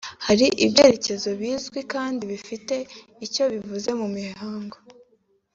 hari ibyerekezo bizwi kandi bifite icyo bivuze mu mihango